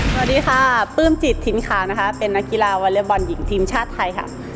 สวัสดีค่ะปลื้มจิตถิ่นขาวนะคะเป็นนักกีฬาวอเล็กบอลหญิงทีมชาติไทยค่ะ